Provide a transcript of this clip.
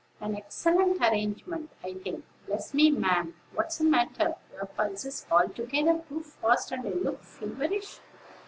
An excellent arrangement, I think. Bless me, ma'am! what's the matter? Your pulse is altogether too fast, and you look feverish."